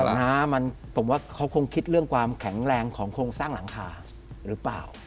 ผมนะผมว่าเขาคงคิดเรื่องความแข็งแรงของโครงสร้างหลังคาหรือเปล่า